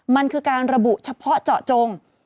มันคือการระบุเฉพาะเจาะจง